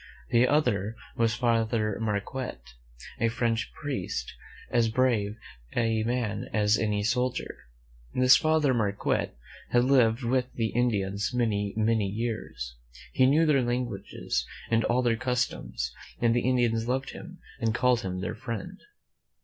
The other was Father Mar quette, a French priest, as brave a man as any soldier. This Father Marquette had Hved with the Indians many, many years. He knew their languages and all their customs, and the Indians loved him and called him their friend.